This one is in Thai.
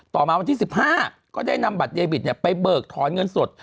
ต่อมาวันที่๑๕ก็ได้นำบัตรเดบิตไปเบิกถอนเงินสด